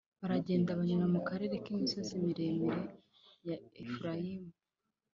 Baragenda banyura mu karere k imisozi miremire ya Efurayimu